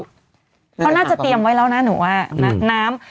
เขาน่าจะเตรียมไว้แล้วนะหนูว่าน้ำ